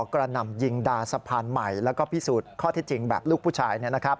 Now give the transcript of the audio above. กระหน่ำยิงดาสะพานใหม่แล้วก็พิสูจน์ข้อที่จริงแบบลูกผู้ชาย